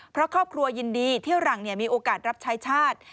เพราะครอบครัวยินดีเที่ยวหลังมีโอกาสรับใช้ชาติ